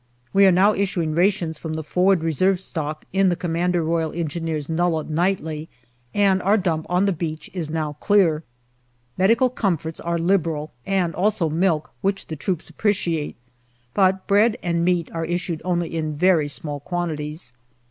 We are now issuing rations from the forward reserve stock in the C.R.E. nullah nightly, and our dump on the beach is now clear. Medical comforts are liberal, and also milk, which the troops appreciate, but bread and meat are issued only in very small quantities.